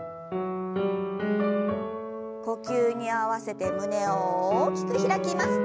呼吸に合わせて胸を大きく開きます。